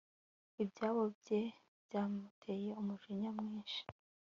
Ibyago bye byamuteye umujinya mwinshi